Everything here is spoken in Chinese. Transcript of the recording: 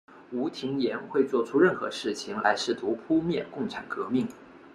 吴廷琰会作出任何事情来试图扑灭共产革命。